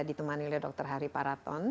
ditemani oleh dr hari paraton